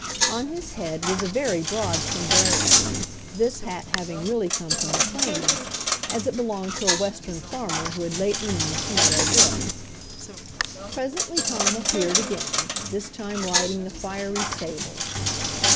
On his head was a very broad sombrero, this hat having really come from the plains, as it belonged to a Western farmer who had lately moved to Meadow Brook. Presently Tom appeared again, this time riding the fiery Sable.